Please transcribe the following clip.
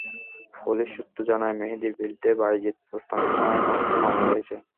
Police সূত্র জানায়, মেহেদির বিরুদ্ধে বায়েজীদ বোস্তামী থানায় পাঁচটি মামলা রয়েছে।